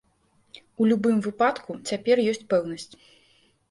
У любым выпадку, цяпер ёсць пэўнасць.